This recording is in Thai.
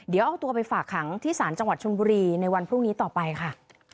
เดี๋ยวเอาตัวไปฝากขังที่ศาลจังหวัดชนบุรีในวันพรุ่งนี้ต่อไปค่ะ